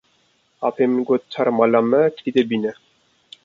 Apê min got here mala me kilîdê bîne.